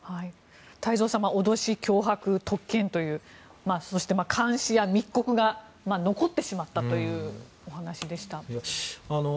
太蔵さん脅し、脅迫、特権というそして、監視や密告が残ってしまったというお話でした。